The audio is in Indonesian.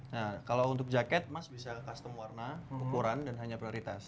nah kalau untuk jaket mas bisa custom warna ukuran dan hanya prioritas